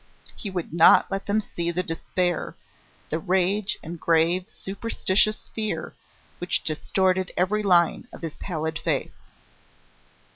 He would not let them see the despair, the rage and grave superstitious fear, which distorted every line of his pallid face.